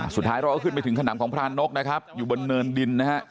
สุดท้ายเราก็ขึ้นไปถึงขนำของพรานกนะครับอยู่บนเนินดินนะฮะ